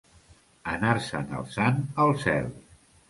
Anar-se'n el sant al cel.